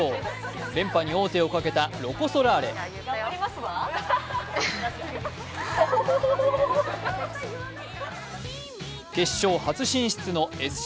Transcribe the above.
連覇に王手をかけたロコ・ソラーレ決勝初進出のＳＣ